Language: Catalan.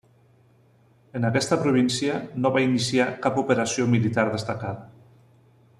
En aquesta província no va iniciar cap operació militar destacada.